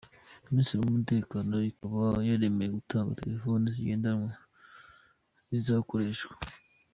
Minisiteri y’Umutekano ikaba yaremeye gutanga telefoni zigendanwa zizakoreshwa.